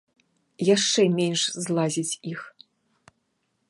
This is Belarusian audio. Яшчэ менш злазіць іх.